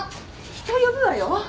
人呼ぶわよ